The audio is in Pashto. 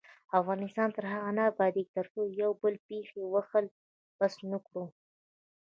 افغانستان تر هغو نه ابادیږي، ترڅو د یو بل پښې وهل بس نکړو.